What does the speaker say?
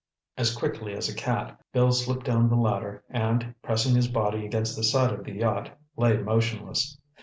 As quickly as a cat, Bill slipped down the ladder and, pressing his body against the side of the yacht, lay motionless.